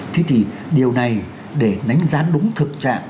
thế thì điều này để đánh giá đúng thực trạng